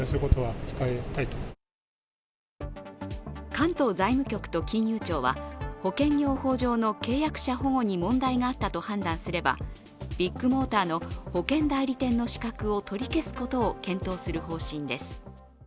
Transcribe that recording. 関東財務局と金融庁は保険業法上の契約者保護に問題があったと判断すればビッグモーターの保険代理店の資格を取り消すことを検討する方針です。